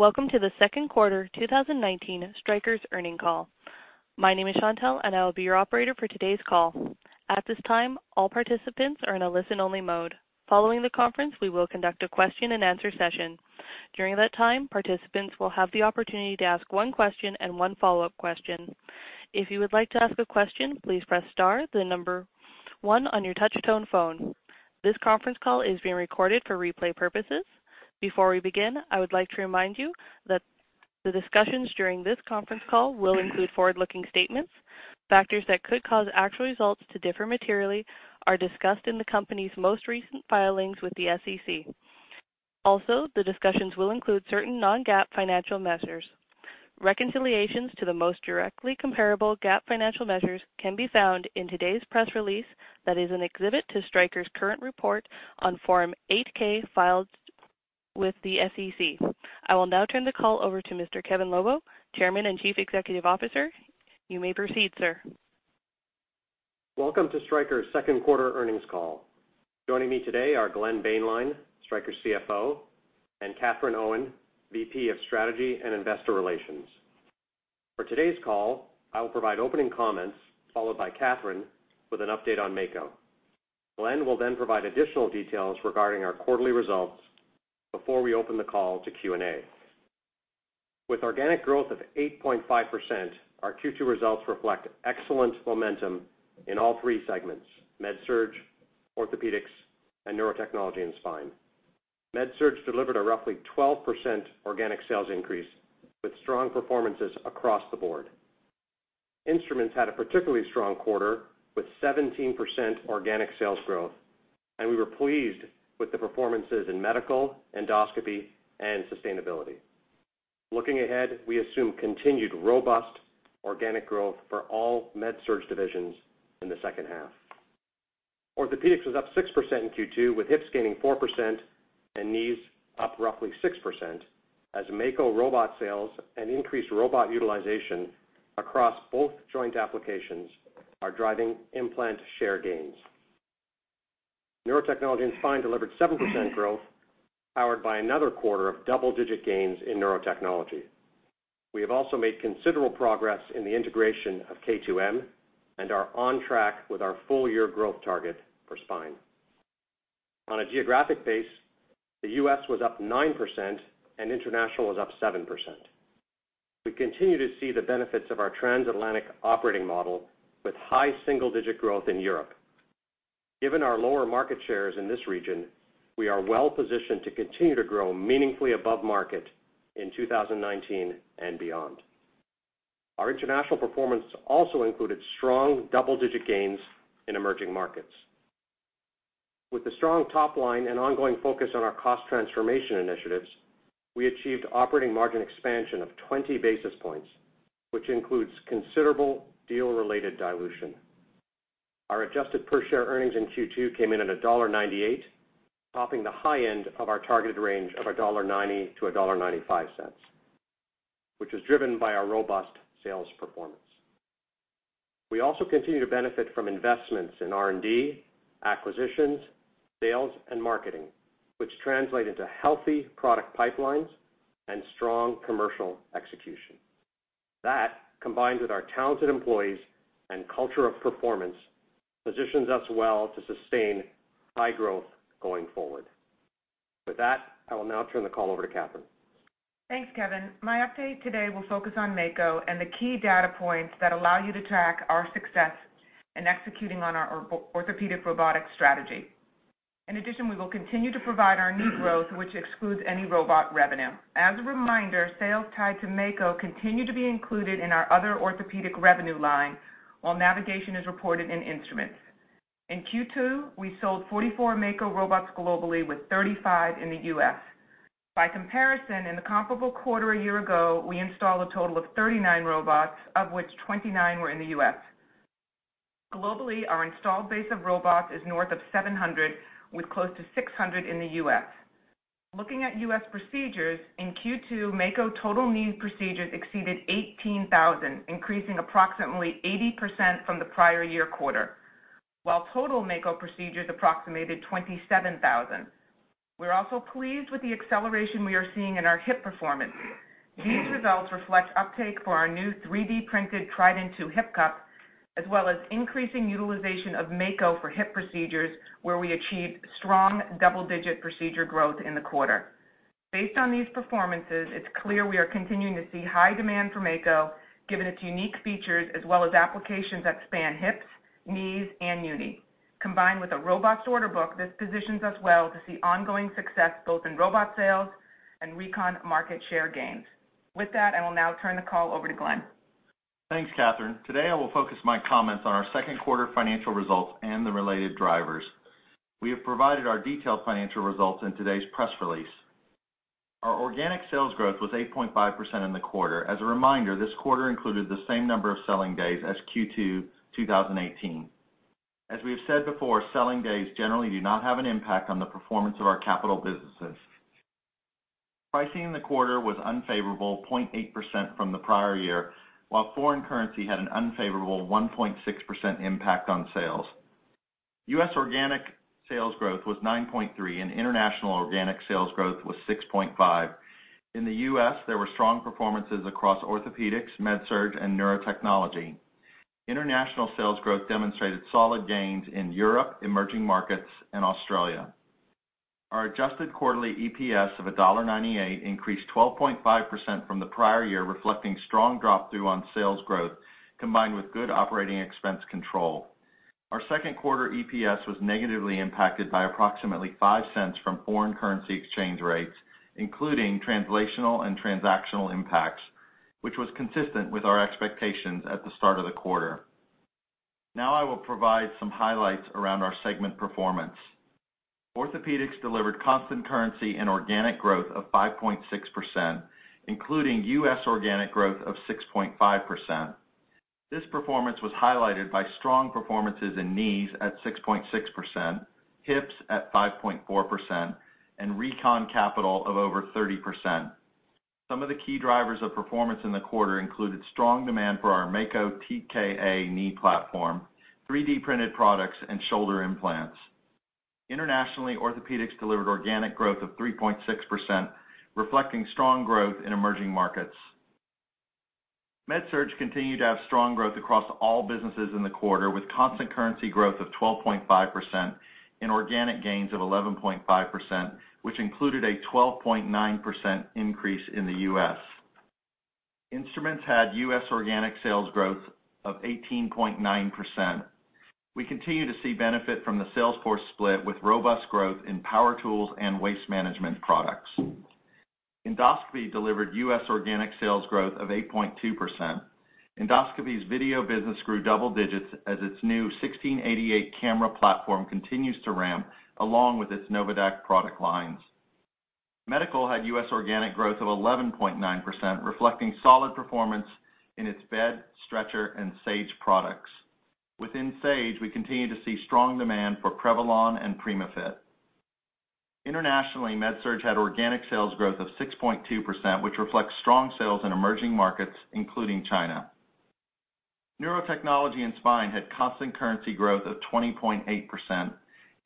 Welcome to the second quarter 2019 Stryker's earnings call. My name is Chantelle, and I will be your operator for today's call. At this time, all participants are in a listen-only mode. Following the conference, we will conduct a question and answer session. During that time, participants will have the opportunity to ask one question and one follow-up question. If you would like to ask a question, please press star, the number one on your touch-tone phone. This conference call is being recorded for replay purposes. Before we begin, I would like to remind you that the discussions during this conference call will include forward-looking statements. Factors that could cause actual results to differ materially are discussed in the company's most recent filings with the SEC. Also, the discussions will include certain non-GAAP financial measures. Reconciliations to the most directly comparable GAAP financial measures can be found in today's press release that is an exhibit to Stryker's current report on Form 8-K filed with the SEC. I will now turn the call over to Mr. Kevin Lobo, Chairman and Chief Executive Officer. You may proceed, sir. Welcome to Stryker's second quarter earnings call. Joining me today are Glenn Boehnlein, Stryker CFO, and Katherine Owen, VP of Strategy and Investor Relations. For today's call, I will provide opening comments followed by Katherine with an update on Mako. Glenn will then provide additional details regarding our quarterly results before we open the call to Q&A. With organic growth of 8.5%, our Q2 results reflect excellent momentum in all three segments, MedSurg, Orthopaedics, and Neurotechnology and Spine. MedSurg delivered a roughly 12% organic sales increase with strong performances across the board. Instruments had a particularly strong quarter with 17% organic sales growth, and we were pleased with the performances in medical, endoscopy, and sustainability. Looking ahead, we assume continued robust organic growth for all MedSurg divisions in the second half. Orthopaedics was up 6% in Q2 with hips gaining 4% and knees up roughly 6% as Mako robot sales and increased robot utilization across both joint applications are driving implant share gains. Neurotechnology and Spine delivered 7% growth, powered by another quarter of double-digit gains in neurotechnology. We have also made considerable progress in the integration of K2M and are on track with our full-year growth target for Spine. On a geographic base, the U.S. was up 9% and international was up 7%. We continue to see the benefits of our transatlantic operating model with high single-digit growth in Europe. Given our lower market shares in this region, we are well positioned to continue to grow meaningfully above market in 2019 and beyond. Our international performance also included strong double-digit gains in emerging markets. With the strong top line and ongoing focus on our cost transformation initiatives, we achieved operating margin expansion of 20 basis points, which includes considerable deal-related dilution. Our adjusted per-share earnings in Q2 came in at $1.98, topping the high end of our targeted range of $1.90-$1.95, which was driven by our robust sales performance. We also continue to benefit from investments in R&D, acquisitions, sales, and marketing, which translate into healthy product pipelines and strong commercial execution. That, combined with our talented employees and culture of performance, positions us well to sustain high growth going forward. With that, I will now turn the call over to Katherine. Thanks, Kevin. My update today will focus on Mako and the key data points that allow you to track our success in executing on our orthopedic robotic strategy. In addition, we will continue to provide our knee growth, which excludes any robot revenue. As a reminder, sales tied to Mako continue to be included in our other orthopedic revenue line, while navigation is reported in instruments. In Q2, we sold 44 Mako robots globally with 35 in the U.S. By comparison, in the comparable quarter a year ago, we installed a total of 39 robots, of which 29 were in the U.S. Globally, our installed base of robots is north of 700, with close to 600 in the U.S. Looking at U.S. procedures, in Q2, Mako total knee procedures exceeded 18,000, increasing approximately 80% from the prior year quarter, while total Mako procedures approximated 27,000. We're also pleased with the acceleration we are seeing in our hip performance. These results reflect uptake for our new 3D-printed Trident II hip cup, as well as increasing utilization of Mako for hip procedures where we achieved strong double-digit procedure growth in the quarter. Based on these performances, it's clear we are continuing to see high demand for Mako, given its unique features as well as applications that span hips, knees, and uni. Combined with a robust order book, this positions us well to see ongoing success both in robot sales and recon market share gains. With that, I will now turn the call over to Glenn. Thanks, Katherine. Today, I will focus my comments on our second quarter financial results and the related drivers. We have provided our detailed financial results in today's press release. Our organic sales growth was 8.5% in the quarter. As a reminder, this quarter included the same number of selling days as Q2 2018. As we have said before, selling days generally do not have an impact on the performance of our capital businesses. Pricing in the quarter was unfavorable, 0.8% from the prior year, while foreign currency had an unfavorable 1.6% impact on sales. U.S. organic sales growth was 9.3%, and international organic sales growth was 6.5%. In the U.S., there were strong performances across Orthopaedics, MedSurg, and Neurotechnology. International sales growth demonstrated solid gains in Europe, emerging markets, and Australia. Our adjusted quarterly EPS of $1.98 increased 12.5% from the prior year, reflecting strong drop-through on sales growth combined with good operating expense control. Our second quarter EPS was negatively impacted by approximately $0.05 from foreign currency exchange rates, including translational and transactional impacts, which was consistent with our expectations at the start of the quarter. I will provide some highlights around our segment performance. Orthopaedics delivered constant currency and organic growth of 5.6%, including U.S. organic growth of 6.5%. This performance was highlighted by strong performances in knees at 6.6%, hips at 5.4%, and recon capital of over 30%. Some of the key drivers of performance in the quarter included strong demand for our Mako TKA knee platform, 3D-printed products, and shoulder implants. Internationally, Orthopaedics delivered organic growth of 3.6%, reflecting strong growth in emerging markets. MedSurg continued to have strong growth across all businesses in the quarter with constant currency growth of 12.5% and organic gains of 11.5%, which included a 12.9% increase in the U.S. Instruments had U.S. organic sales growth of 18.9%. We continue to see benefit from the sales force split with robust growth in power tools and waste management products. Endoscopy delivered U.S. organic sales growth of 8.2%. Endoscopy's video business grew double digits as its new 1688 camera platform continues to ramp, along with its NOVADAQ product lines. Medical had U.S. organic growth of 11.9%, reflecting solid performance in its bed, stretcher, and Sage products. Within Sage, we continue to see strong demand for Prevalon and PrimaFit. Internationally, MedSurg had organic sales growth of 6.2%, which reflects strong sales in emerging markets, including China. Neurotechnology and Spine had constant currency growth of 20.8%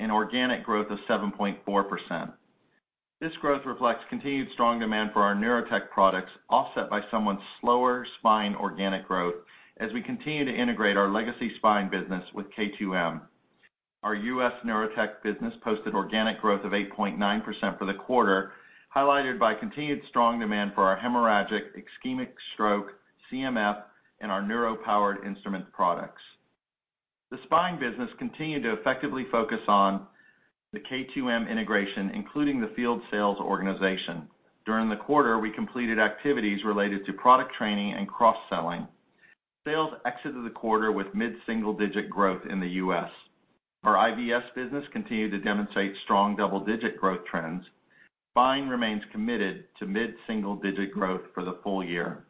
and organic growth of 7.4%. This growth reflects continued strong demand for our neurotech products, offset by somewhat slower spine organic growth as we continue to integrate our legacy spine business with K2M. Our U.S. neurotech business posted organic growth of 8.9% for the quarter, highlighted by continued strong demand for our hemorrhagic ischemic stroke, CMF, and our neuro-powered instrument products. The spine business continued to effectively focus on the K2M integration, including the field sales organization. During the quarter, we completed activities related to product training and cross-selling. Sales exited the quarter with mid-single-digit growth in the U.S. Our IVS business continued to demonstrate strong double-digit growth trends. Spine remains committed to mid-single-digit growth for the full year.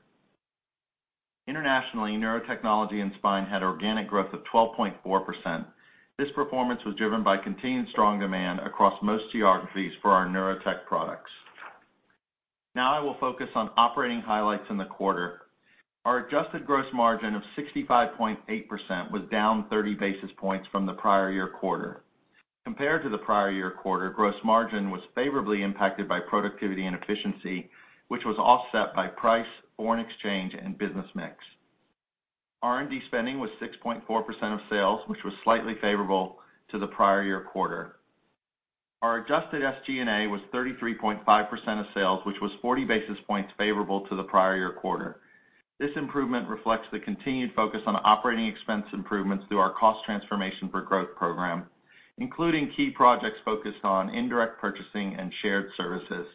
Internationally, Neurotechnology and Spine had organic growth of 12.4%. This performance was driven by continued strong demand across most geographies for our neurotech products. Now I will focus on operating highlights in the quarter. Our adjusted gross margin of 65.8% was down 30 basis points from the prior year quarter. Compared to the prior year quarter, gross margin was favorably impacted by productivity and efficiency, which was offset by price, foreign exchange, and business mix. R&D spending was 6.4% of sales, which was slightly favorable to the prior year quarter. Our adjusted SG&A was 33.5% of sales, which was 40 basis points favorable to the prior year quarter. This improvement reflects the continued focus on operating expense improvements through our Cost Transformation for Growth program, including key projects focused on indirect purchasing and shared services.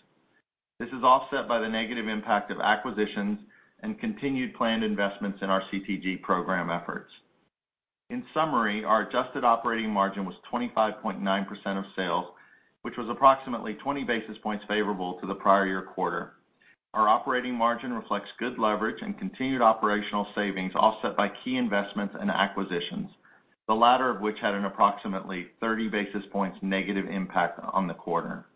This is offset by the negative impact of acquisitions and continued planned investments in our CTG program efforts. In summary, our adjusted operating margin was 25.9% of sales, which was approximately 20 basis points favorable to the prior year quarter. Our operating margin reflects good leverage and continued operational savings, offset by key investments and acquisitions, the latter of which had an approximately 30 basis points negative impact on the quarter.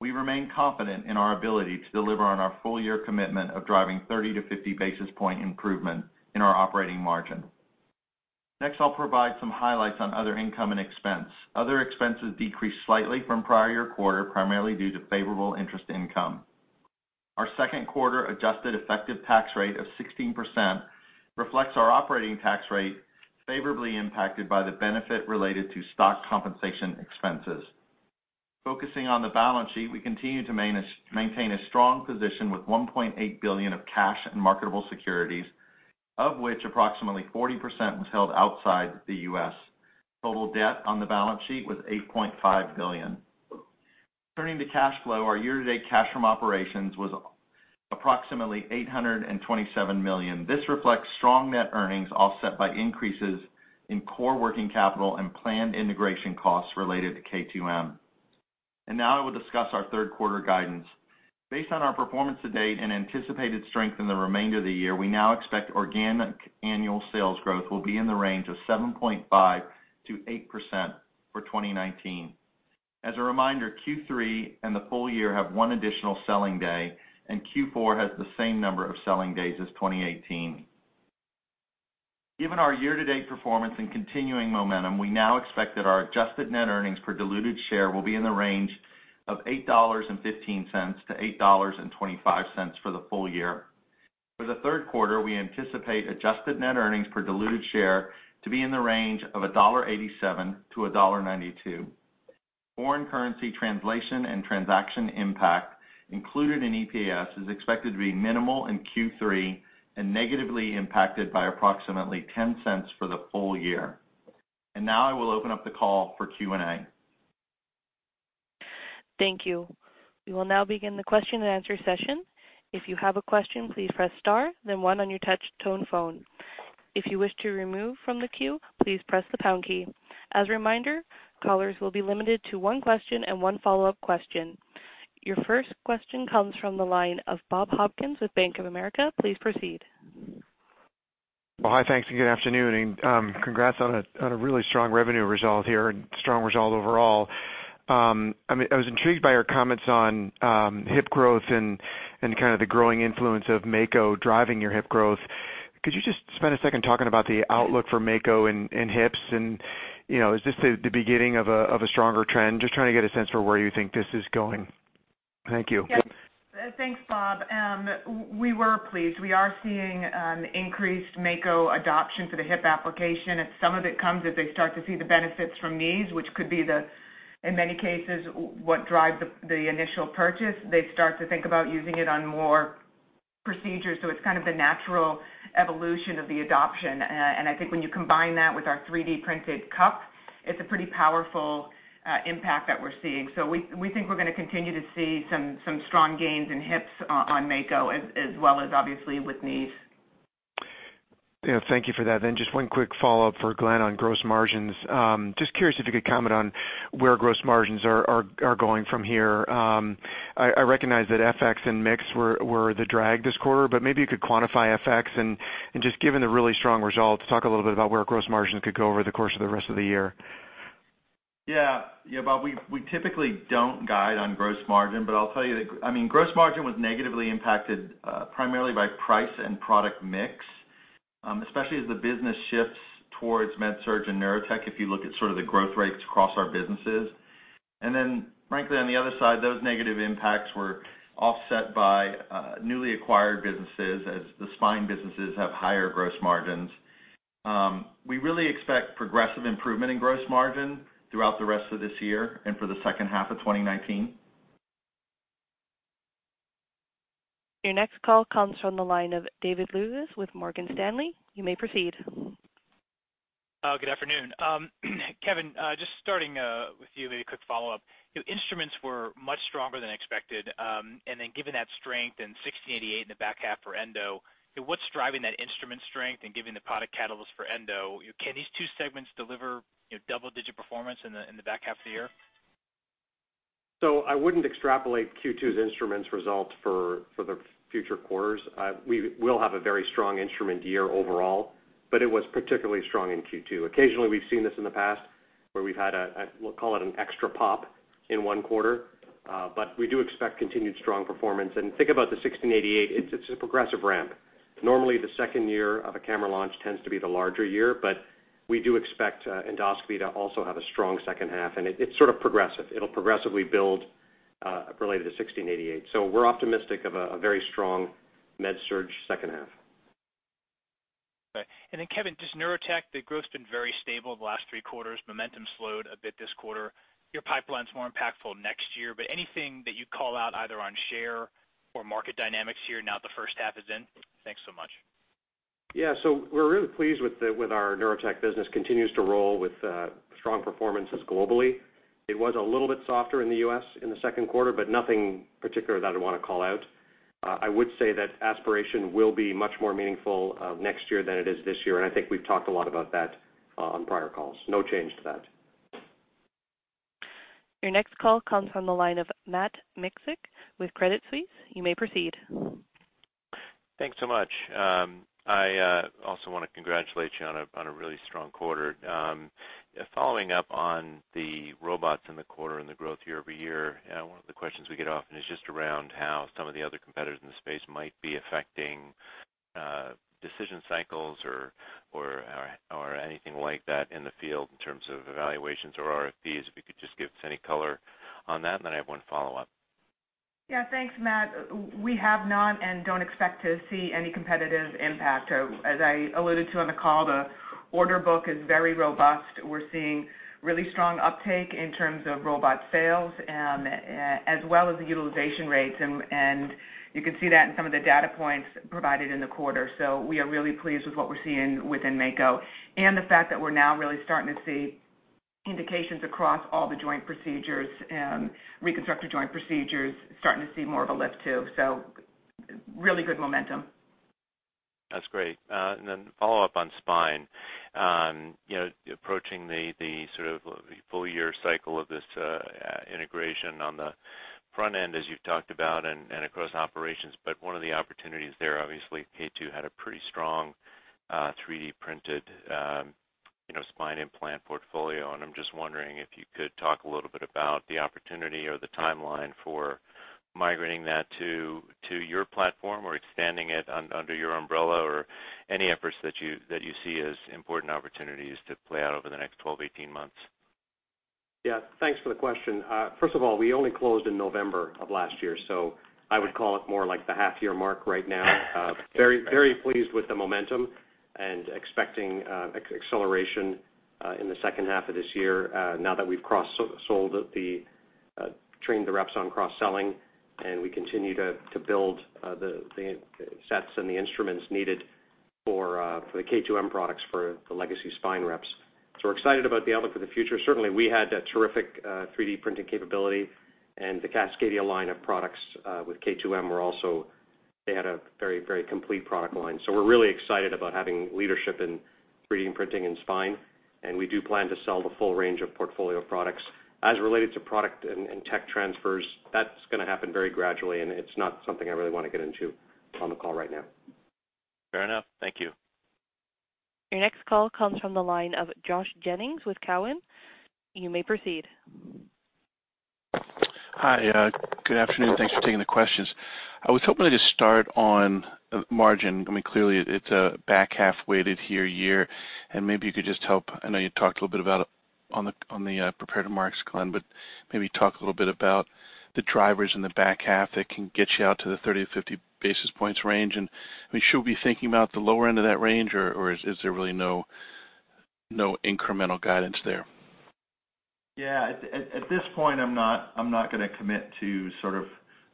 We remain confident in our ability to deliver on our full year commitment of driving 30 to 50 basis point improvement in our operating margin. I'll provide some highlights on other income and expense. Other expenses decreased slightly from prior year quarter, primarily due to favorable interest income. Our second quarter adjusted effective tax rate of 16% reflects our operating tax rate favorably impacted by the benefit related to stock compensation expenses. Focusing on the balance sheet, we continue to maintain a strong position with $1.8 billion of cash and marketable securities, of which approximately 40% was held outside the U.S. Total debt on the balance sheet was $8.5 billion. Turning to cash flow, our year-to-date cash from operations was approximately $827 million. This reflects strong net earnings offset by increases in core working capital and planned integration costs related to K2M. Now I will discuss our third quarter guidance. Based on our performance to date and anticipated strength in the remainder of the year, we now expect organic annual sales growth will be in the range of 7.5%-8% for 2019. As a reminder, Q3 and the full year have one additional selling day, and Q4 has the same number of selling days as 2018. Given our year-to-date performance and continuing momentum, we now expect that our adjusted net earnings per diluted share will be in the range of $8.15-$8.25 for the full year. For the third quarter, we anticipate adjusted net earnings per diluted share to be in the range of $1.87-$1.92. Foreign currency translation and transaction impact included in EPS is expected to be minimal in Q3 and negatively impacted by approximately $0.10 for the full year. Now I will open up the call for Q&A. Thank you. We will now begin the question and answer session. If you have a question, please press star then one on your touch tone phone. If you wish to remove from the queue, please press the pound key. As a reminder, callers will be limited to one question and one follow-up question. Your first question comes from the line of Bob Hopkins with Bank of America. Please proceed. Well, hi, thanks, and good afternoon, and congrats on a really strong revenue result here and strong result overall. I was intrigued by your comments on hip growth and kind of the growing influence of Mako driving your hip growth. Could you just spend a second talking about the outlook for Mako in hips? Is this the beginning of a stronger trend? Just trying to get a sense for where you think this is going. Thank you. Yes. Thanks, Bob. We were pleased. We are seeing an increased Mako adoption for the hip application. Some of it comes as they start to see the benefits from knees, which could be the, in many cases, what drives the initial purchase. They start to think about using it on more procedures. It's kind of the natural evolution of the adoption. I think when you combine that with our 3D-printed cup, it's a pretty powerful impact that we're seeing. We think we're going to continue to see some strong gains in hips on Mako as well as obviously with knees. Yeah, thank you for that. Just one quick follow-up for Glenn on gross margins. Just curious if you could comment on where gross margins are going from here. I recognize that FX and mix were the drag this quarter, but maybe you could quantify FX and just given the really strong results, talk a little bit about where gross margins could go over the course of the rest of the year. Yeah. Bob, we typically don't guide on gross margin, but I'll tell you that gross margin was negatively impacted primarily by price and product mix, especially as the business shifts towards MedSurg and Neurotech, if you look at sort of the growth rates across our businesses. Frankly, on the other side, those negative impacts were offset by newly acquired businesses as the spine businesses have higher gross margins. We really expect progressive improvement in gross margin throughout the rest of this year and for the second half of 2019. Your next call comes from the line of David Lewis with Morgan Stanley. You may proceed. Good afternoon. Kevin, just starting with you with a quick follow-up. Instruments were much stronger than expected, and then given that strength and 1688 in the back half for Endo, what's driving that instrument strength and giving the product catalyst for Endo? Can these two segments deliver double-digit performance in the back half of the year? I wouldn't extrapolate Q2's instruments results for the future quarters. We will have a very strong instrument year overall, but it was particularly strong in Q2. Occasionally, we've seen this in the past where we've had a, we'll call it an extra pop in one quarter, but we do expect continued strong performance. Think about the 1688. It's a progressive ramp. Normally, the second year of a camera launch tends to be the larger year, but we do expect endoscopy to also have a strong second half, and it's sort of progressive. It'll progressively build related to 1688. We're optimistic of a very strong MedSurg second half. Okay. Kevin, just Neurotech, the growth's been very stable the last three quarters. Momentum slowed a bit this quarter. Your pipeline's more impactful next year, anything that you'd call out either on share or market dynamics here now the first half is in? Thanks so much. Yeah. We're really pleased with our Neurotech business continues to roll with strong performances globally. It was a little bit softer in the U.S. in the second quarter, but nothing particular that I'd want to call out. I would say that aspiration will be much more meaningful next year than it is this year, and I think we've talked a lot about that on prior calls. No change to that. Your next call comes from the line of Matt Miksic with Credit Suisse. You may proceed. Thanks so much. I also want to congratulate you on a really strong quarter. Following up on the robots in the quarter and the growth year-over-year, one of the questions we get often is just around how some of the other competitors in the space might be affecting decision cycles or anything like that in the field in terms of evaluations or RFPs. If you could just give us any color on that, and then I have one follow-up. Yeah. Thanks, Matt. We have not and don't expect to see any competitive impact. As I alluded to on the call, the order book is very robust. We're seeing really strong uptake in terms of robot sales as well as the utilization rates, and you can see that in some of the data points provided in the quarter. We are really pleased with what we're seeing within Mako and the fact that we're now really starting to see indications across all the joint procedures and reconstructive joint procedures starting to see more of a lift, too. Really good momentum. That's great. Then follow-up on spine. Approaching the sort of full year cycle of this integration on the front end, as you've talked about and across operations, one of the opportunities there, obviously, K2 had a pretty strong 3D-printed spine implant portfolio, and I'm just wondering if you could talk a little bit about the opportunity or the timeline for migrating that to your platform or expanding it under your umbrella or any efforts that you see as important opportunities to play out over the next 12, 18 months. Yeah. Thanks for the question. First of all, we only closed in November of last year, so I would call it more like the half-year mark right now. Very pleased with the momentum and expecting acceleration in the second half of this year now that we've trained the reps on cross-selling and we continue to build the sets and the instruments needed for the K2M products for the legacy spine reps. We're excited about the outlook for the future. Certainly, we had a terrific 3D printing capability and the CASCADIA line of products with K2M, they had a very complete product line. We're really excited about having leadership in 3D printing and spine, and we do plan to sell the full range of portfolio products. As related to product and tech transfers, that's going to happen very gradually, and it's not something I really want to get into on the call right now. Fair enough. Thank you. Your next call comes from the line of Josh Jennings with Cowen. You may proceed. Hi. Good afternoon. Thanks for taking the questions. I was hoping to just start on margin. Clearly, it's a back-half weighted here year. Maybe you could just help, I know you talked a little bit about it on the prepared remarks, Glenn, but maybe talk a little bit about the drivers in the back half that can get you out to the 30-50 basis points range. Should we be thinking about the lower end of that range, or is there really no incremental guidance there? Yeah. At this point, I'm not going to commit to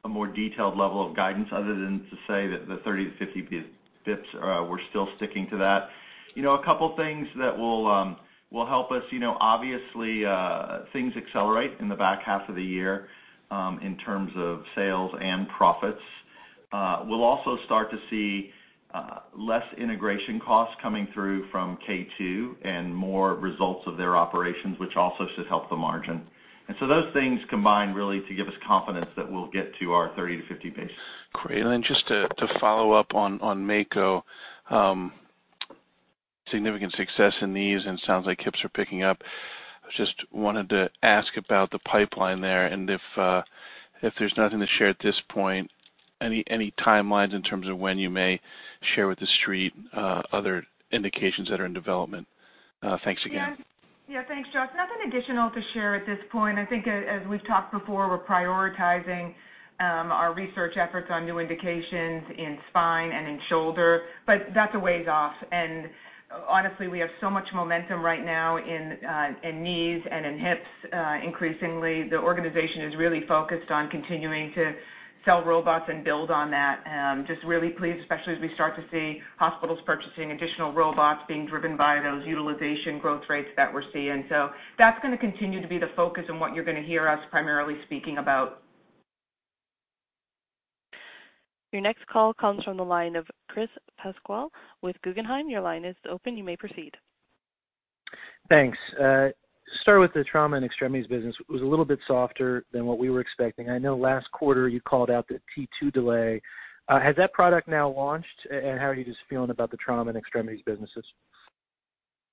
a more detailed level of guidance other than to say that the 30 to 50 basis points, we're still sticking to that. A couple of things that will help us. Obviously, things accelerate in the back half of the year in terms of sales and profits. We'll also start to see less integration costs coming through from K2 and more results of their operations, which also should help the margin. Those things combine, really, to give us confidence that we'll get to our 30 to 50 basis points. Great. Just to follow up on Mako. Significant success in these, and sounds like hips are picking up. I just wanted to ask about the pipeline there, and if there's nothing to share at this point, any timelines in terms of when you may share with the street other indications that are in development? Thanks again. Yeah. Thanks, Josh. Nothing additional to share at this point. I think, as we've talked before, we're prioritizing our research efforts on new indications in spine and in shoulder, but that's a ways off. Honestly, we have so much momentum right now in knees and in hips. Increasingly, the organization is really focused on continuing to sell robots and build on that. Just really pleased, especially as we start to see hospitals purchasing additional robots being driven by those utilization growth rates that we're seeing. That's going to continue to be the focus and what you're going to hear us primarily speaking about. Your next call comes from the line of Chris Pasquale with Guggenheim. Your line is open. You may proceed. Thanks. Start with the trauma and extremities business. It was a little bit softer than what we were expecting. I know last quarter you called out the T2 delay. Has that product now launched? How are you just feeling about the trauma and extremities businesses?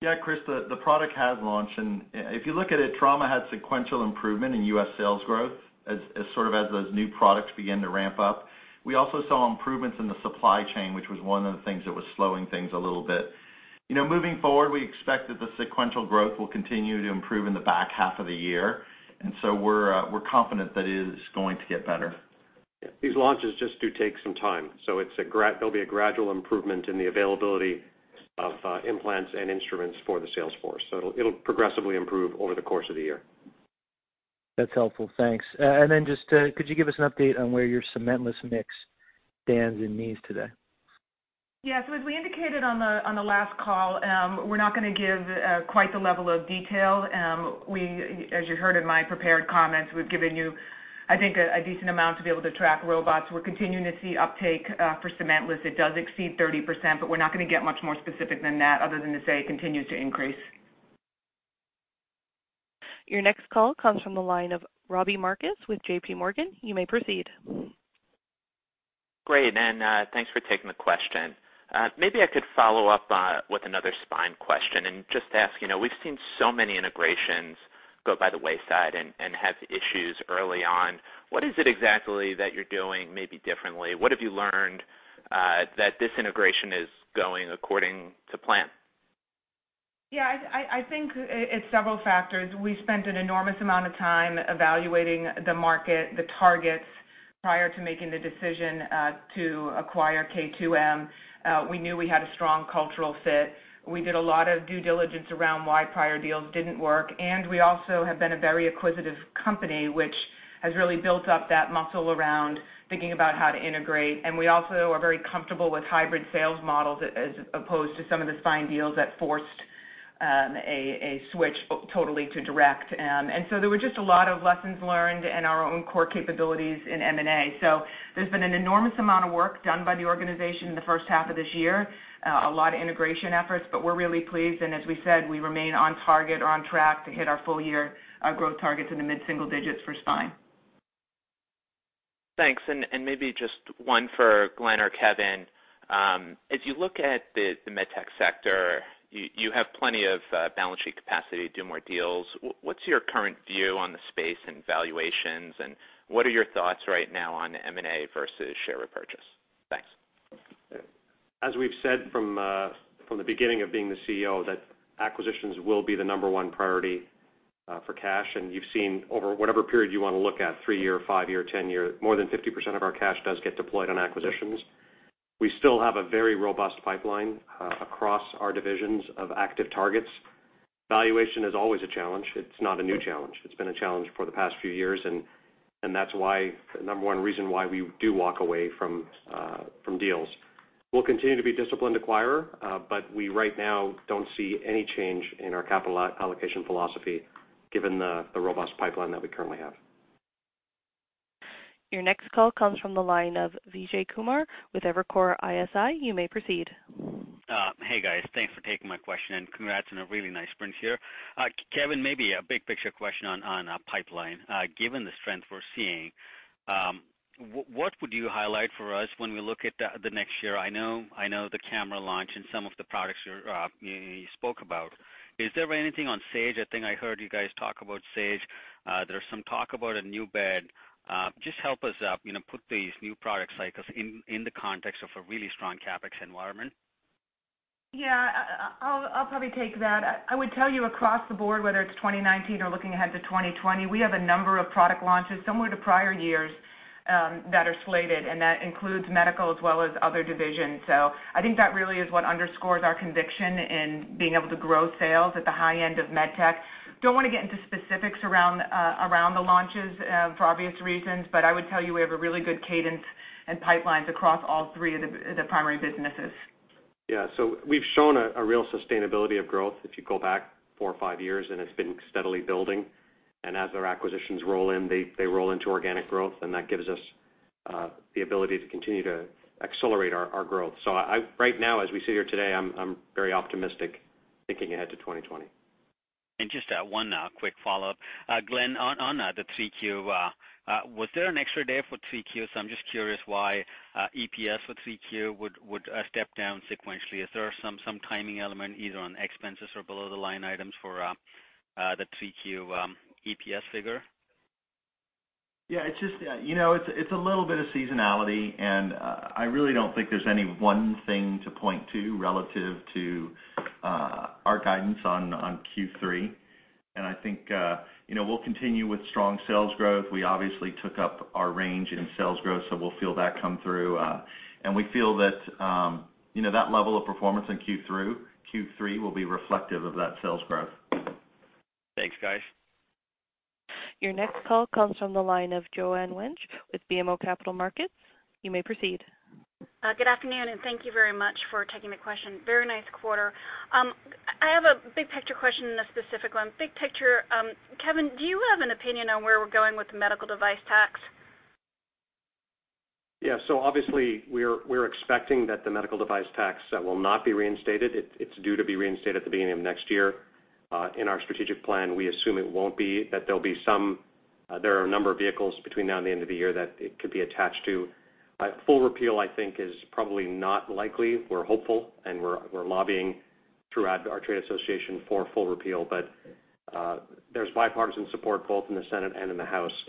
Yeah, Chris, the product has launched. If you look at it, trauma had sequential improvement in U.S. sales growth as those new products begin to ramp up. We also saw improvements in the supply chain, which was one of the things that was slowing things a little bit. Moving forward, we expect that the sequential growth will continue to improve in the back half of the year. We're confident that it is going to get better. These launches just do take some time. There'll be a gradual improvement in the availability of implants and instruments for the sales force. It'll progressively improve over the course of the year. That's helpful. Thanks. Just could you give us an update on where your cementless mix stands in knees today? Yeah. As we indicated on the last call, we're not going to give quite the level of detail. As you heard in my prepared comments, we've given you, I think, a decent amount to be able to track robots. We're continuing to see uptake for cementless. It does exceed 30%. We're not going to get much more specific than that other than to say it continues to increase. Your next call comes from the line of Robbie Marcus with J.P. Morgan. You may proceed. Great. Thanks for taking the question. Maybe I could follow up with another spine question and just ask, we've seen so many integrations go by the wayside and have issues early on. What is it exactly that you're doing maybe differently? What have you learned that this integration is going according to plan? I think it's several factors. We spent an enormous amount of time evaluating the market, the targets, prior to making the decision to acquire K2M. We knew we had a strong cultural fit. We did a lot of due diligence around why prior deals didn't work, and we also have been a very acquisitive company, which has really built up that muscle around thinking about how to integrate. We also are very comfortable with hybrid sales models as opposed to some of the spine deals that forced a switch totally to direct. There were just a lot of lessons learned and our own core capabilities in M&A. There's been an enormous amount of work done by the organization in the first half of this year, a lot of integration efforts, but we're really pleased. As we said, we remain on target or on track to hit our full-year growth targets in the mid-single digits for spine. Thanks. Maybe just one for Glenn or Kevin. As you look at the MedTech sector, you have plenty of balance sheet capacity to do more deals. What's your current view on the space and valuations, and what are your thoughts right now on M&A versus share repurchase? Thanks. As we've said from the beginning of being the CEO, that acquisitions will be the number one priority for cash. You've seen over whatever period you want to look at, three year, five year, 10 year, more than 50% of our cash does get deployed on acquisitions. We still have a very robust pipeline across our divisions of active targets. Valuation is always a challenge. It's not a new challenge. It's been a challenge for the past few years. That's the number one reason why we do walk away from deals. We'll continue to be a disciplined acquirer. We right now don't see any change in our capital allocation philosophy given the robust pipeline that we currently have. Your next call comes from the line of Vijay Kumar with Evercore ISI. You may proceed. Hey, guys. Thanks for taking my question and congrats on a really nice sprint here. Kevin, maybe a big picture question on pipeline. Given the strength we're seeing, what would you highlight for us when we look at the next year? I know the camera launch and some of the products you spoke about. Is there anything on Sage? I think I heard you guys talk about Sage. There's some talk about a new bed. Just help us out, put these new product cycles in the context of a really strong CapEx environment. Yeah. I'll probably take that. I would tell you across the board, whether it's 2019 or looking ahead to 2020, we have a number of product launches similar to prior years that are slated, and that includes medical as well as other divisions. I think that really is what underscores our conviction in being able to grow sales at the high end of MedTech. Don't want to get into specifics around the launches for obvious reasons, but I would tell you we have a really good cadence and pipelines across all three of the primary businesses. We've shown a real sustainability of growth. If you go back four or five years, and it's been steadily building. As our acquisitions roll in, they roll into organic growth, and that gives us the ability to continue to accelerate our growth. Right now, as we sit here today, I'm very optimistic thinking ahead to 2020. Just one quick follow-up. Glenn, on the 3Q, was there an extra day for 3Q? I'm just curious why EPS for 3Q would step down sequentially. Is there some timing element, either on expenses or below-the-line items for the 3Q EPS figure? Yeah. It's a little bit of seasonality. I really don't think there's any one thing to point to relative to our guidance on Q3. I think we'll continue with strong sales growth. We obviously took up our range in sales growth, we'll feel that come through. We feel that level of performance in Q3 will be reflective of that sales growth. Thanks, guys. Your next call comes from the line of Joanne Wuensch with BMO Capital Markets. You may proceed. Good afternoon, thank you very much for taking the question. Very nice quarter. I have a big picture question and a specific one. Big picture, Kevin, do you have an opinion on where we're going with the medical device tax? Yeah. Obviously we're expecting that the medical device tax will not be reinstated. It's due to be reinstated at the beginning of next year. In our strategic plan, we assume it won't be, that there are a number of vehicles between now and the end of the year that it could be attached to. A full repeal, I think, is probably not likely. We're hopeful, and we're lobbying throughout our trade association for full repeal. There's bipartisan support both in the Senate and in the House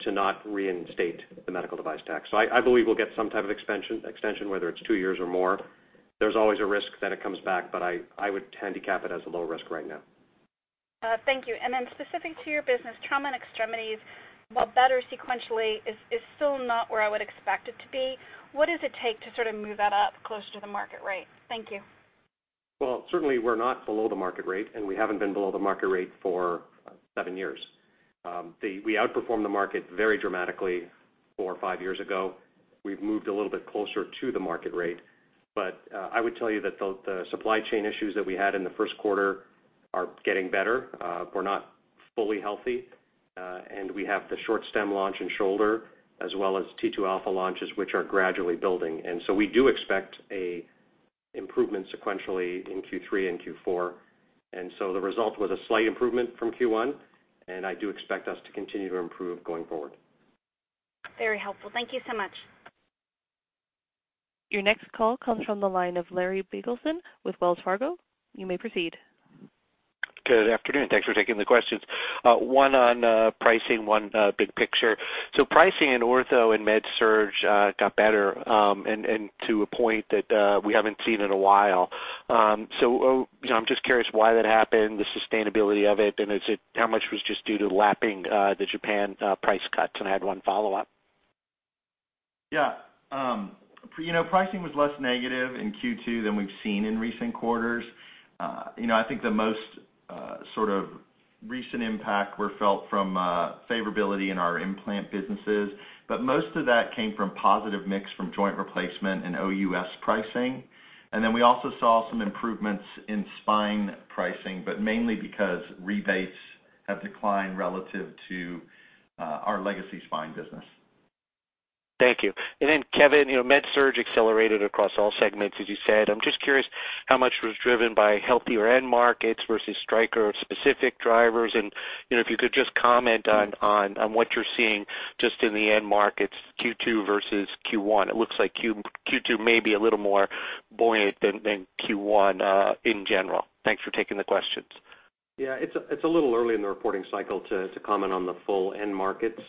to not reinstate the medical device tax. I believe we'll get some type of extension, whether it's 2 years or more. There's always a risk that it comes back, but I would handicap it as a low risk right now. Thank you. Specific to your business, trauma and extremities, while better sequentially, is still not where I would expect it to be. What does it take to sort of move that up closer to the market rate? Thank you. Certainly we're not below the market rate, and we haven't been below the market rate for seven years. We outperformed the market very dramatically four or five years ago. We've moved a little bit closer to the market rate. I would tell you that the supply chain issues that we had in the first quarter are getting better. We're not fully healthy, and we have the short stem launch in shoulder as well as T2 Alpha launches, which are gradually building. We do expect an improvement sequentially in Q3 and Q4. The result was a slight improvement from Q1, and I do expect us to continue to improve going forward. Very helpful. Thank you so much. Your next call comes from the line of Larry Biegelsen with Wells Fargo. You may proceed. Good afternoon. Thanks for taking the questions. One on pricing, one big picture. Pricing in Orthopaedics and MedSurg got better, and to a point that we haven't seen in a while. I'm just curious why that happened, the sustainability of it, and how much was just due to lapping the Japan price cuts? I had one follow-up. Yeah. Pricing was less negative in Q2 than we've seen in recent quarters. I think the most sort of recent impact were felt from favorability in our implant businesses. Most of that came from positive mix from joint replacement and OUS pricing. We also saw some improvements in spine pricing, but mainly because rebates have declined relative to our legacy spine business. Thank you. Kevin, MedSurg accelerated across all segments, as you said. I'm just curious how much was driven by healthier end markets versus Stryker or specific drivers. If you could just comment on what you're seeing just in the end markets, Q2 versus Q1. It looks like Q2 may be a little more buoyant than Q1 in general. Thanks for taking the questions. Yeah. It's a little early in the reporting cycle to comment on the full end markets.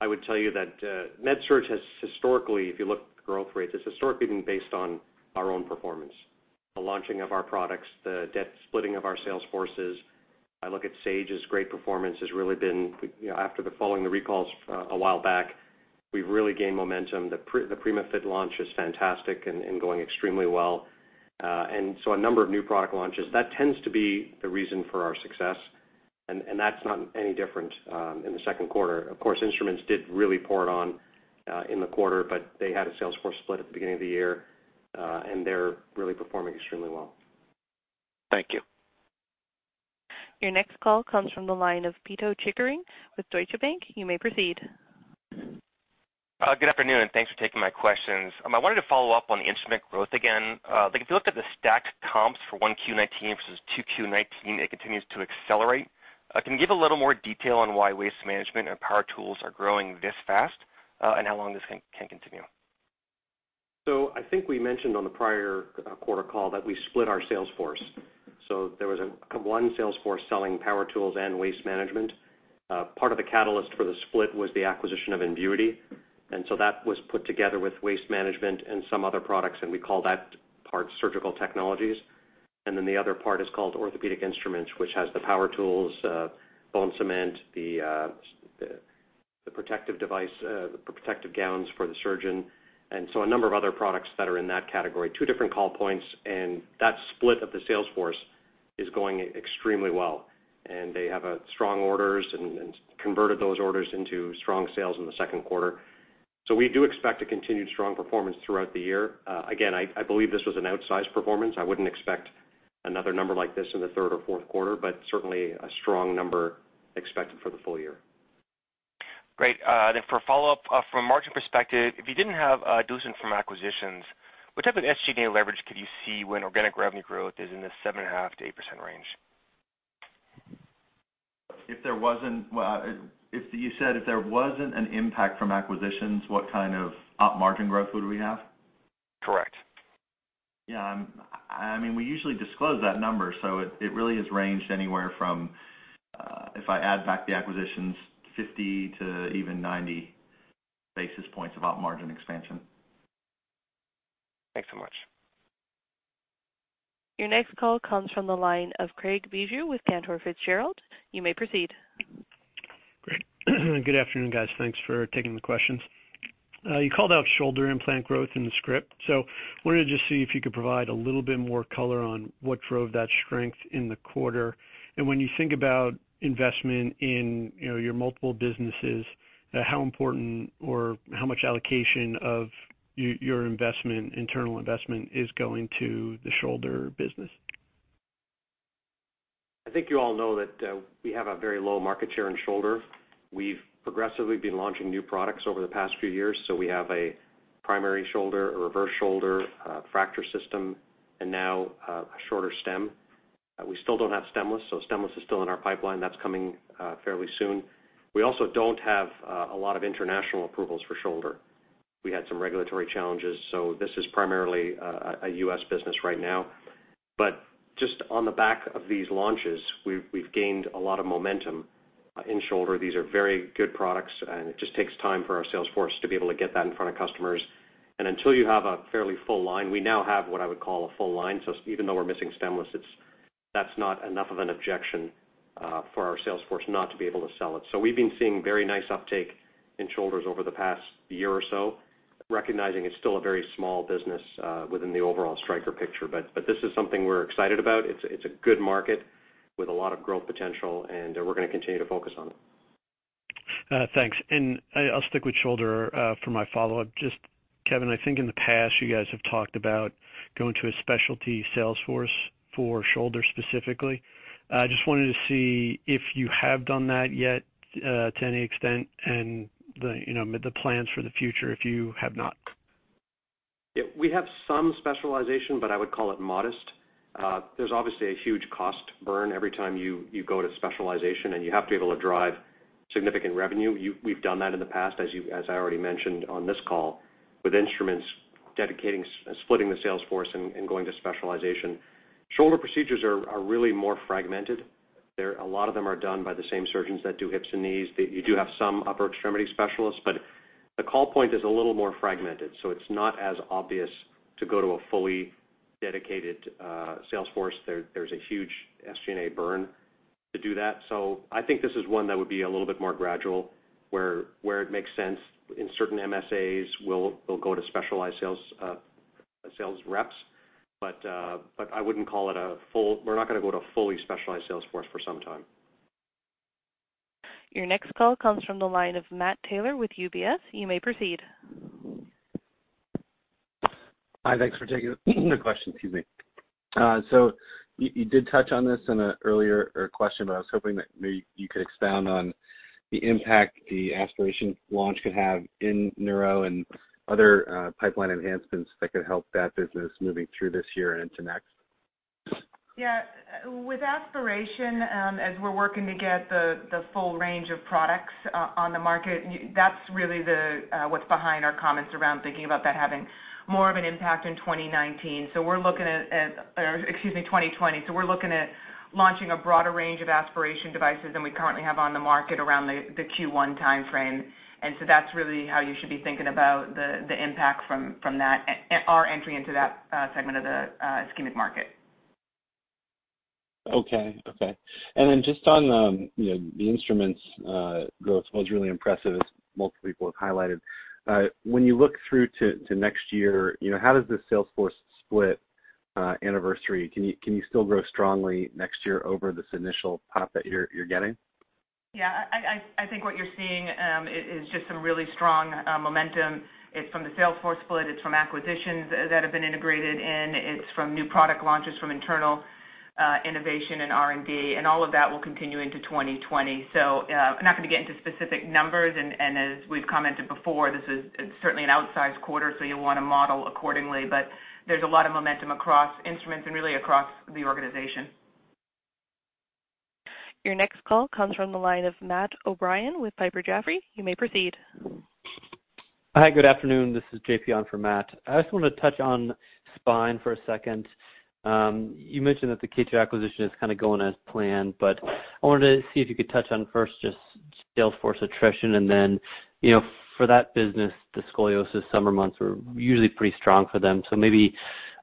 I would tell you that MedSurg has historically, if you look at the growth rates, has historically been based on our own performance, the launching of our products, the splitting of our sales forces. I look at Sage's great performance has really been, after the following the recalls a while back, we've really gained momentum. The PrimaFit launch is fantastic and going extremely well. A number of new product launches. That tends to be the reason for our success, and that's not any different in the second quarter. Of course, instruments did really pour it on in the quarter, but they had a sales force split at the beginning of the year, and they're really performing extremely well. Thank you. Your next call comes from the line of Pito Chickering with Deutsche Bank. You may proceed. Good afternoon, and thanks for taking my questions. I wanted to follow up on the instrument growth again. If you looked at the stacked comps for Q1 2019 versus Q2 2019, it continues to accelerate. Can you give a little more detail on why waste management and power tools are growing this fast, and how long this can continue? I think we mentioned on the prior quarter call that we split our sales force. There was one sales force selling power tools and waste management. Part of the catalyst for the split was the acquisition of Invuity, and so that was put together with waste management and some other products, and we call that part surgical technologies. Then the other part is called orthopedic instruments, which has the power tools, bone cement, the protective gowns for the surgeon. A number of other products that are in that category. Two different call points, and that split of the sales force is going extremely well, and they have strong orders and converted those orders into strong sales in the second quarter. We do expect a continued strong performance throughout the year. Again, I believe this was an outsized performance. I wouldn't expect another number like this in the third or fourth quarter, but certainly a strong number expected for the full year. Great. For follow-up, from a margin perspective, if you didn't have dilution from acquisitions, what type of SG&A leverage could you see when organic revenue growth is in the 7.5%-8% range? You said if there wasn't an impact from acquisitions, what kind of op margin growth would we have? Correct. Yeah. We usually disclose that number, so it really has ranged anywhere from, if I add back the acquisitions, 50-90 basis points of op margin expansion. Thanks so much. Your next call comes from the line of Craig Bijou with Cantor Fitzgerald. You may proceed. Great. Good afternoon, guys. Thanks for taking the questions. You called out shoulder implant growth in the script. Wanted to just see if you could provide a little bit more color on what drove that strength in the quarter. When you think about investment in your multiple businesses, how important or how much allocation of your internal investment is going to the shoulder business? I think you all know that we have a very low market share in shoulder. We've progressively been launching new products over the past few years, so we have a primary shoulder, a reverse shoulder, a fracture system, and now a shorter stem. We still don't have stemless, so stemless is still in our pipeline. That's coming fairly soon. We also don't have a lot of international approvals for shoulder. We had some regulatory challenges, so this is primarily a U.S. business right now. Just on the back of these launches, we've gained a lot of momentum in shoulder. These are very good products, and it just takes time for our sales force to be able to get that in front of customers. Until you have a fairly full line, we now have what I would call a full line. Even though we're missing stemless, that's not enough of an objection for our sales force not to be able to sell it. We've been seeing very nice uptake in shoulders over the past year or so, recognizing it's still a very small business within the overall Stryker picture. This is something we're excited about. It's a good market with a lot of growth potential, and we're going to continue to focus on it. Thanks. I'll stick with shoulder for my follow-up. Just Kevin, I think in the past you guys have talked about going to a specialty sales force for shoulder specifically. I just wanted to see if you have done that yet to any extent and the plans for the future if you have not. We have some specialization, but I would call it modest. There's obviously a huge cost burn every time you go to specialization, and you have to be able to drive significant revenue. We've done that in the past as I already mentioned on this call with instruments dedicating splitting the sales force and going to specialization. Shoulder procedures are really more fragmented. A lot of them are done by the same surgeons that do hips and knees. You do have some upper extremity specialists, but the call point is a little more fragmented, so it's not as obvious to go to a fully dedicated sales force. There's a huge SG&A burn to do that. I think this is one that would be a little bit more gradual where it makes sense in certain MSAs, we'll go to specialized sales reps. We're not going to go to a fully specialized sales force for some time. Your next call comes from the line of Matt Taylor with UBS. You may proceed. Hi, thanks for taking the question. Excuse me. You did touch on this in an earlier question, but I was hoping that maybe you could expound on the impact the aspiration launch could have in Neuro and other pipeline enhancements that could help that business moving through this year and into next. Yeah. With aspiration, as we're working to get the full range of products on the market, that's really what's behind our comments around thinking about that having more of an impact in 2019. We're looking at Excuse me, 2020. We're looking at launching a broader range of aspiration devices than we currently have on the market around the Q1 timeframe. That's really how you should be thinking about the impact from our entry into that segment of the ischemic market. Okay. Just on the instruments growth was really impressive, as multiple people have highlighted. When you look through to next year, how does this sales force split anniversary? Can you still grow strongly next year over this initial pop that you're getting? I think what you're seeing is just some really strong momentum. It's from the sales force split, it's from acquisitions that have been integrated in, it's from new product launches from internal innovation and R&D. All of that will continue into 2020. I'm not going to get into specific numbers, and as we've commented before, this is certainly an outsized quarter, so you'll want to model accordingly. There's a lot of momentum across instruments and really across the organization. Your next call comes from the line of Matt O'Brien with Piper Jaffray. You may proceed. Hi, good afternoon. This is JP on for Matt. I just want to touch on spine for a second. You mentioned that the K2M acquisition is kind of going as planned. I wanted to see if you could touch on first just sales force attrition and then, for that business, the scoliosis summer months were usually pretty strong for them. Maybe,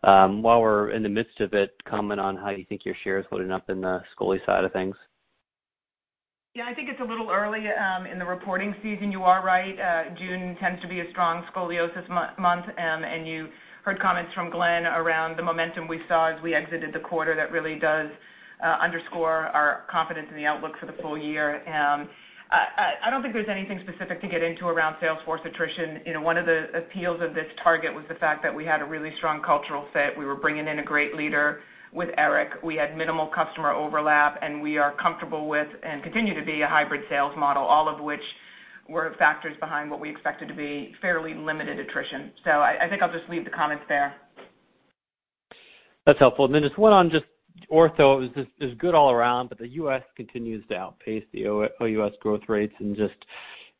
while we're in the midst of it, comment on how you think your share is holding up in the scoli side of things. Yeah, I think it's a little early in the reporting season. You are right. June tends to be a strong scoliosis month, and you heard comments from Glenn around the momentum we saw as we exited the quarter that really does underscore our confidence in the outlook for the full year. I don't think there's anything specific to get into around sales force attrition. One of the appeals of this target was the fact that we had a really strong cultural fit. We were bringing in a great leader with Eric. We had minimal customer overlap, and we are comfortable with and continue to be a hybrid sales model, all of which were factors behind what we expected to be fairly limited attrition. I think I'll just leave the comments there. That's helpful. Then just one on just ortho. It was just good all around, the U.S. continues to outpace the OUS growth rates and just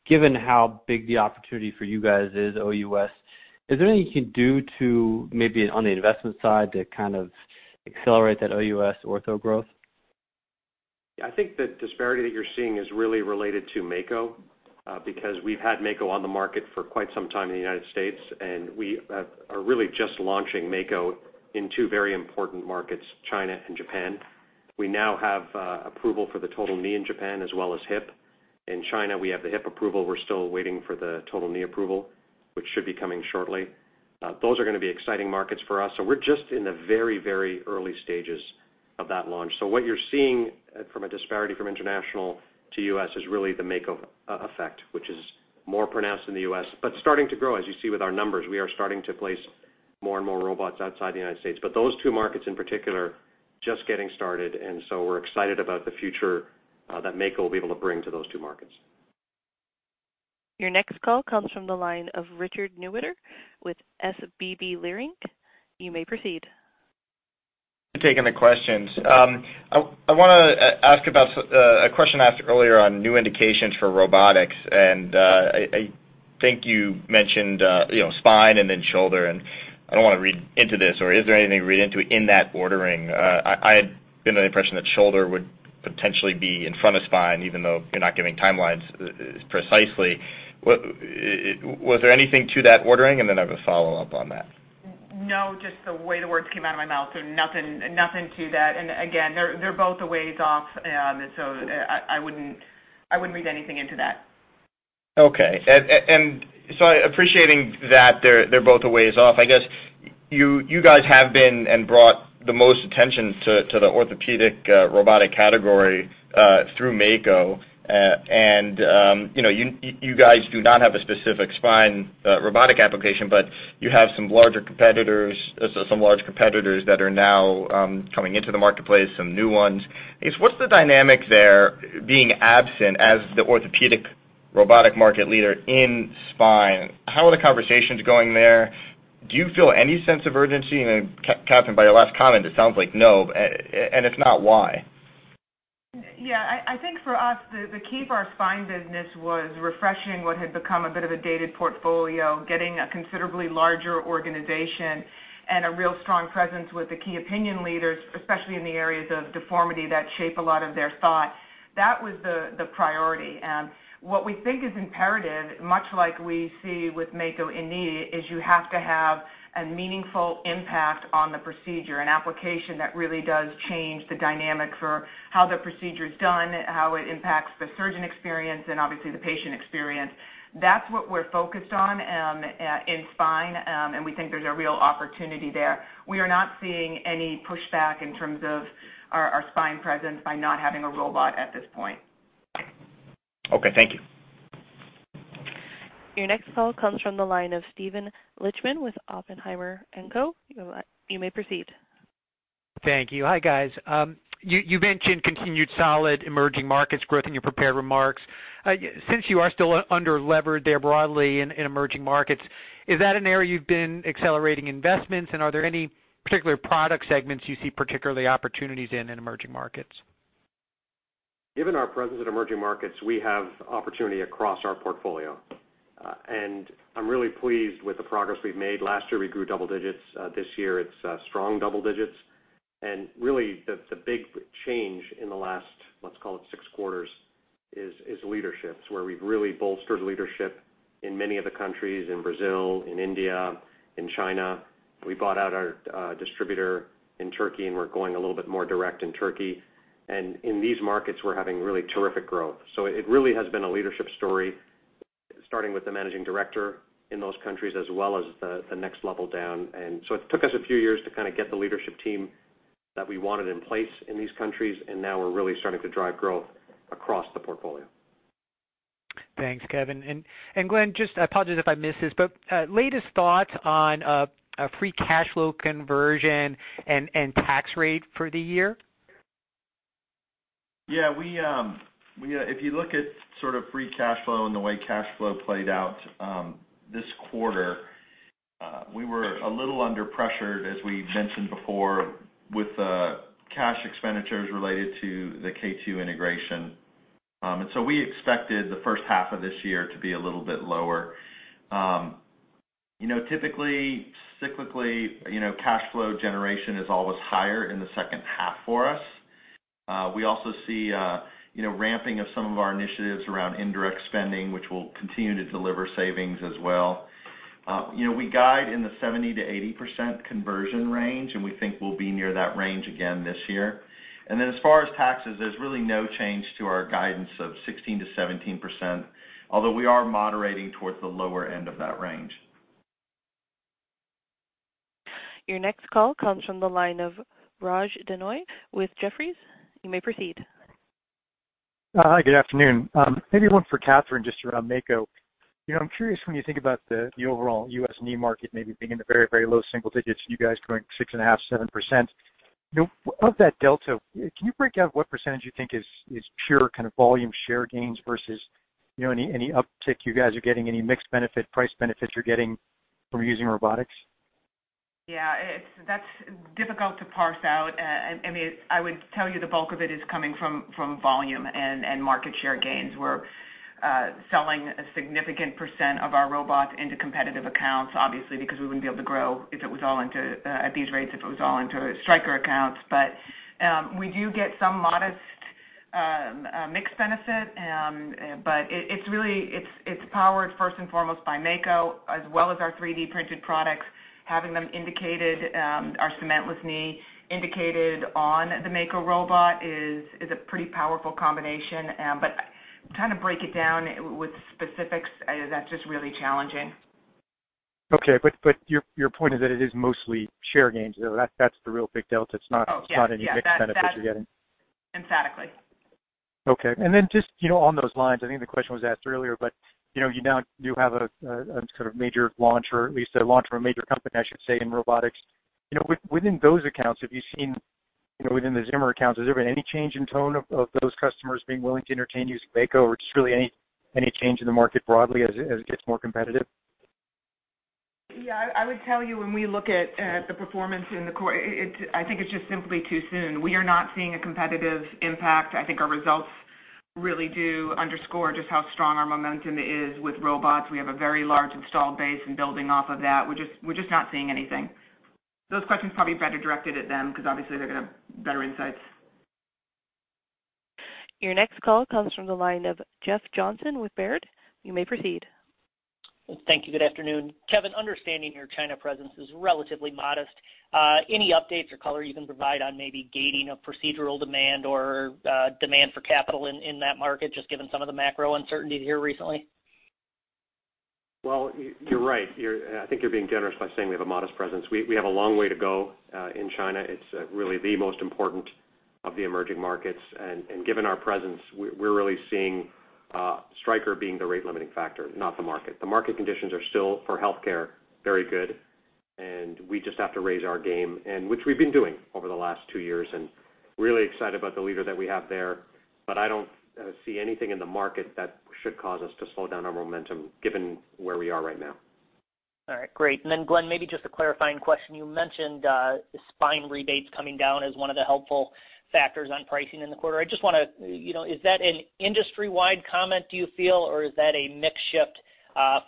given how big the opportunity for you guys is, OUS, is there anything you can do to maybe on the investment side to kind of accelerate that OUS ortho growth? I think the disparity that you're seeing is really related to Mako, because we've had Mako on the market for quite some time in the U.S., and we are really just launching Mako in two very important markets, China and Japan. We now have approval for the total knee in Japan as well as hip. In China, we have the hip approval. We're still waiting for the total knee approval, which should be coming shortly. Those are going to be exciting markets for us. We're just in the very early stages of that launch. What you're seeing from a disparity from international to U.S. is really the Mako effect, which is more pronounced in the U.S., but starting to grow. As you see with our numbers, we are starting to place more and more robots outside the U.S. Those two markets in particular, just getting started, and so we're excited about the future that Mako will be able to bring to those two markets. Your next call comes from the line of Richard Newitter with SVB Leerink. You may proceed. Thanks for taking the questions. I want to ask about a question asked earlier on new indications for robotics, and I think you mentioned spine and then shoulder, and I don't want to read into this or is there anything to read into in that ordering? I had been under the impression that shoulder would potentially be in front of spine, even though you're not giving timelines precisely. Was there anything to that ordering? I have a follow-up on that. No, just the way the words came out of my mouth. Nothing to that. Again, they're both a ways off. I wouldn't read anything into that. Okay. Appreciating that they're both a ways off, I guess you guys have been and brought the most attention to the Orthopaedics robotic category through Mako. You guys do not have a specific spine robotic application, but you have some large competitors that are now coming into the marketplace, some new ones. I guess, what's the dynamic there being absent as the Orthopaedics robotic market leader in spine? How are the conversations going there? Do you feel any sense of urgency? Then, Katherine, by your last comment, it sounds like no. If not, why? Yeah. I think for us, the key for our Spine business was refreshing what had become a bit of a dated portfolio, getting a considerably larger organization, and a real strong presence with the key opinion leaders, especially in the areas of deformity that shape a lot of their thought. That was the priority. What we think is imperative, much like we see with Mako in knee, is you have to have a meaningful impact on the procedure, an application that really does change the dynamic for how the procedure's done, how it impacts the surgeon experience, and obviously the patient experience. That's what we're focused on in Spine, and we think there's a real opportunity there. We are not seeing any pushback in terms of our Spine presence by not having a robot at this point. Okay. Thank you. Your next call comes from the line of Steven Lichtman with Oppenheimer & Co. You may proceed. Thank you. Hi, guys. You mentioned continued solid emerging markets growth in your prepared remarks. Since you are still under levered there broadly in emerging markets, is that an area you've been accelerating investments in? Are there any particular product segments you see, particularly opportunities in emerging markets? Given our presence in emerging markets, we have opportunity across our portfolio. I'm really pleased with the progress we've made. Last year, we grew double digits. This year it's strong double digits. Really, the big change in the last, let's call it six quarters, is leadership. It's where we've really bolstered leadership in many of the countries, in Brazil, in India, in China. We bought out our distributor in Turkey, and we're going a little bit more direct in Turkey. In these markets, we're having really terrific growth. It really has been a leadership story, starting with the managing director in those countries, as well as the next level down. It took us a few years to kind of get the leadership team that we wanted in place in these countries, and now we're really starting to drive growth across the portfolio. Thanks, Kevin. Glenn, I apologize if I miss this, but latest thoughts on free cash flow conversion and tax rate for the year? If you look at sort of free cash flow and the way cash flow played out this quarter, we were a little under pressured, as we mentioned before, with cash expenditures related to the K2 integration. We expected the first half of this year to be a little bit lower. Typically, cyclically, cash flow generation is always higher in the second half for us. We also see ramping of some of our initiatives around indirect spending, which will continue to deliver savings as well. We guide in the 70%-80% conversion range, and we think we'll be near that range again this year. As far as taxes, there's really no change to our guidance of 16%-17%, although we are moderating towards the lower end of that range. Your next call comes from the line of Raj Denhoy with Jefferies. You may proceed. Hi, good afternoon. Maybe one for Katherine, just around Mako. I'm curious when you think about the overall U.S. knee market maybe being in the very, very low single digits, you guys growing 6.5%, 7%. Of that delta, can you break out what % you think is pure kind of volume share gains versus any uptick you guys are getting, any mixed benefit, price benefits you're getting from using robotics? Yeah, that's difficult to parse out. I would tell you the bulk of it is coming from volume and market share gains. We're selling a significant % of our robots into competitive accounts, obviously, because we wouldn't be able to grow at these rates if it was all into Stryker accounts. We do get some modest mixed benefit. It's powered first and foremost by Mako as well as our 3D-printed products, having them indicated, our cementless knee indicated on the Mako robot is a pretty powerful combination. Trying to break it down with specifics, that's just really challenging. Okay. Your point is that it is mostly share gains, though. That's the real big delta. It's not any mixed benefits you're getting. Oh, yeah. Emphatically. Okay. Just on those lines, I think the question was asked earlier, but you now do have a sort of major launch, or at least a launch from a major company, I should say, in robotics. Within those accounts, have you seen, within the Zimmer accounts, has there been any change in tone of those customers being willing to entertain using Mako or just really any change in the market broadly as it gets more competitive? I would tell you when we look at the performance in the quarter, I think it's just simply too soon. We are not seeing a competitive impact. I think our results really do underscore just how strong our momentum is with robots. We have a very large installed base and building off of that. We're just not seeing anything. Those questions probably better directed at them because obviously they're going to have better insights. Your next call comes from the line of Jeff Johnson with Baird. You may proceed. Thank you. Good afternoon. Kevin, understanding your China presence is relatively modest, any updates or color you can provide on maybe gating of procedural demand or demand for capital in that market, just given some of the macro uncertainty there recently? You're right. I think you're being generous by saying we have a modest presence. We have a long way to go in China. It's really the most important of the emerging markets. Given our presence, we're really seeing Stryker being the rate-limiting factor, not the market. The market conditions are still, for healthcare, very good, and we just have to raise our game, which we've been doing over the last two years, and really excited about the leader that we have there. I don't see anything in the market that should cause us to slow down our momentum given where we are right now. All right, great. Glenn, maybe just a clarifying question. You mentioned spine rebates coming down as one of the helpful factors on pricing in the quarter. Is that an industry-wide comment, do you feel, or is that a mix shift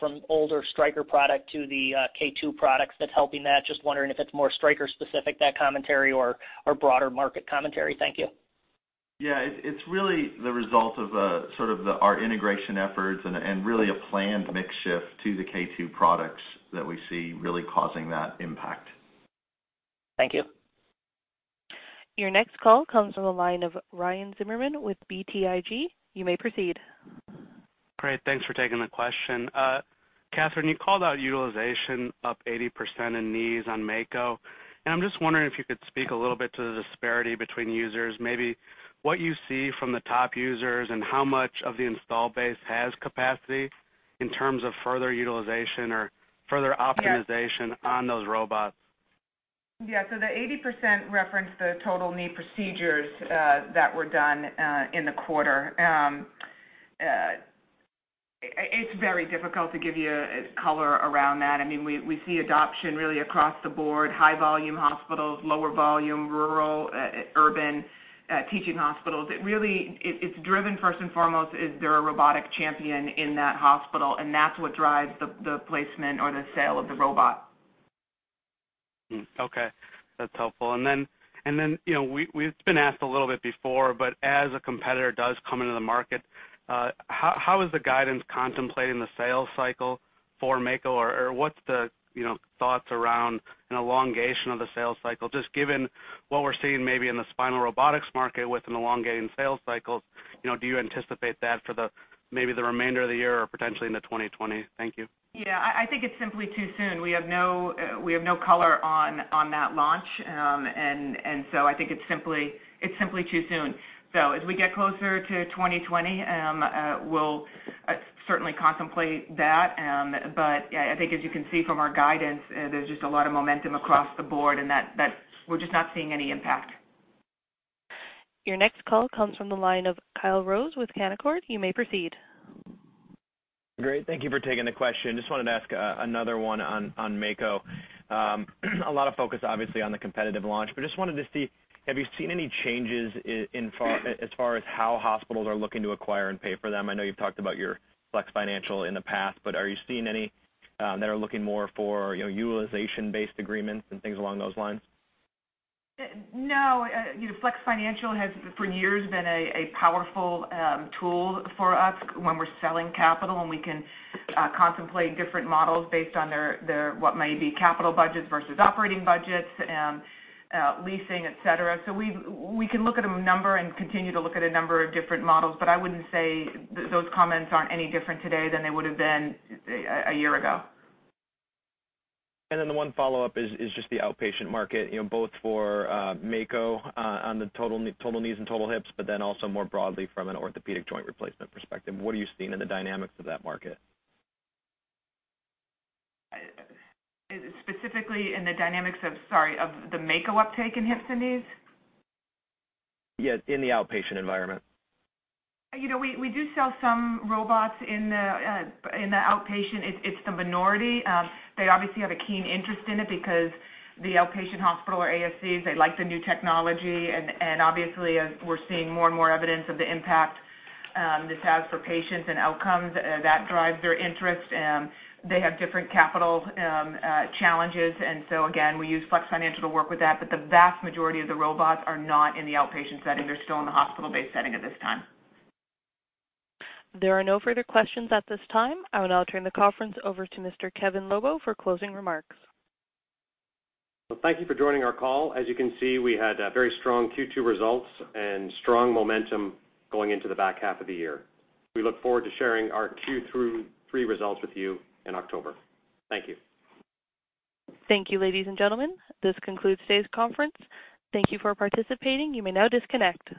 from older Stryker product to the K2 products that's helping that? Just wondering if it's more Stryker specific, that commentary, or broader market commentary. Thank you. Yeah, it's really the result of sort of our integration efforts and really a planned mix shift to the K2 products that we see really causing that impact. Thank you. Your next call comes from the line of Ryan Zimmerman with BTIG. You may proceed. Great. Thanks for taking the question. Katherine, you called out utilization up 80% in knees on Mako, and I'm just wondering if you could speak a little bit to the disparity between users, maybe what you see from the top users and how much of the install base has capacity in terms of further utilization or further optimization? Yes on those robots. Yeah. The 80% referenced the total knee procedures that were done in the quarter. It's very difficult to give you color around that. We see adoption really across the board, high volume hospitals, lower volume, rural, urban, teaching hospitals. It's driven first and foremost, is there a robotic champion in that hospital, and that's what drives the placement or the sale of the robot. Okay. That's helpful. It's been asked a little bit before, but as a competitor does come into the market, how is the guidance contemplating the sales cycle for Mako? Or what's the thoughts around an elongation of the sales cycle, just given what we're seeing maybe in the spinal robotics market with an elongating sales cycles, do you anticipate that for the remainder of the year or potentially into 2020? Thank you. Yeah. I think it's simply too soon. We have no color on that launch. I think it's simply too soon. As we get closer to 2020, we'll certainly contemplate that. I think as you can see from our guidance, there's just a lot of momentum across the board, and that we're just not seeing any impact. Your next call comes from the line of Kyle Rose with Canaccord. You may proceed. Great. Thank you for taking the question. Just wanted to ask another one on Mako. A lot of focus, obviously, on the competitive launch, just wanted to see, have you seen any changes as far as how hospitals are looking to acquire and pay for them? I know you've talked about your Flex Financial in the past. Are you seeing any that are looking more for utilization-based agreements and things along those lines? No. Flex Financial has, for years, been a powerful tool for us when we're selling capital, and we can contemplate different models based on their, what may be capital budgets versus operating budgets, leasing, et cetera. We can look at a number and continue to look at a number of different models, but I wouldn't say those comments aren't any different today than they would've been a year ago. The one follow-up is just the outpatient market, both for Mako on the total knees and total hips, also more broadly from an orthopedic joint replacement perspective. What are you seeing in the dynamics of that market? Specifically in the dynamics of, sorry, of the Mako uptake in hips and knees? Yes, in the outpatient environment. We do sell some robots in the outpatient. It's the minority. They obviously have a keen interest in it because the outpatient hospital or ASCs, they like the new technology, and obviously as we're seeing more and more evidence of the impact this has for patients and outcomes, that drives their interest. They have different capital challenges. Again, we use Flex Financial to work with that, but the vast majority of the robots are not in the outpatient setting. They're still in the hospital-based setting at this time. There are no further questions at this time. I will now turn the conference over to Mr. Kevin Lobo for closing remarks. Well, thank you for joining our call. As you can see, we had very strong Q2 results and strong momentum going into the back half of the year. We look forward to sharing our Q3 results with you in October. Thank you. Thank you, ladies and gentlemen. This concludes today's conference. Thank you for participating. You may now disconnect.